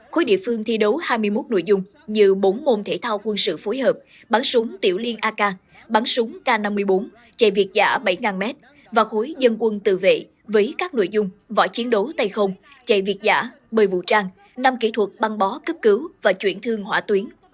khối địa phương thi đấu hai mươi một nội dung như bốn môn thể thao quân sự phối hợp bắn súng tiểu liên ak bắn súng k năm mươi bốn chạy việt giả bảy m và khối dân quân tự vệ với các nội dung võ chiến đấu tay không chạy việt giả bơi vũ trang năm kỹ thuật băng bó cấp cứu và chuyển thương hỏa tuyến